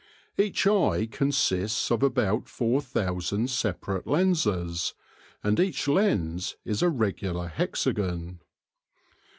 Each eye con sists of about four thousand separate lenses, and each lens is a regular hexagon.